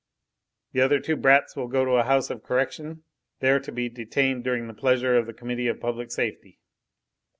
The other two brats will go to a House of Correction, there to be detained during the pleasure of the Committee of Public Safety.